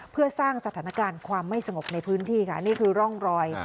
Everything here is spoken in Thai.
เพื่อสร้างสถานการณ์ความไม่สงบในพื้นที่ค่ะนี่คือร่องรอย